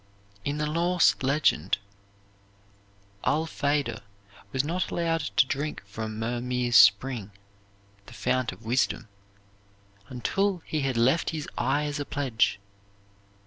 In the Norse legend, Allfader was not allowed to drink from Mirmir's Spring, the fount of wisdom, until he had left his eye as a pledge.